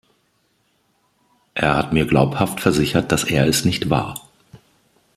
Er hat mir glaubhaft versichert, dass er es nicht war.